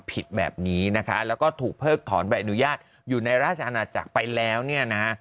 ผิดแบบนี้นะคะแล้วก็ถูกเพิกถอนใบอนุญาตอยู่ในราชอาณาจักรไปแล้วเนี่ยนะฮะ